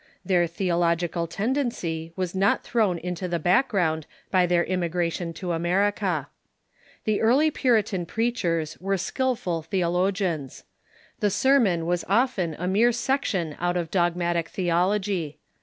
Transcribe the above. Their the ological tendency was not thrown into the background by their innnigration to America. The early Puritan preachers were skilful theologians. The sermon w^as often a mere sec tion out of dogmatic theology.